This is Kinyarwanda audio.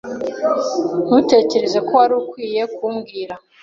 Ntutekereza ko wari ukwiye kumbwira?